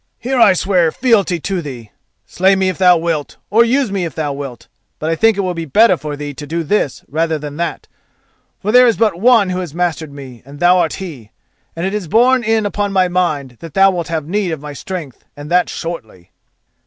Here I swear fealty to thee. Slay me if thou wilt, or use me if thou wilt, but I think it will be better for thee to do this rather than that, for there is but one who has mastered me, and thou art he, and it is borne in upon my mind that thou wilt have need of my strength, and that shortly."